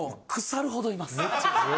腐るほどいます。